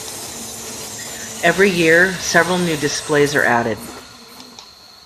Every year, several new displays are added.